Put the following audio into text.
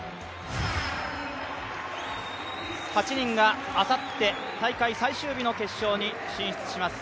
８人があさって大会最終日の決勝に進出します。